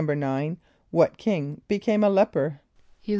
= =9.= What king became a leper?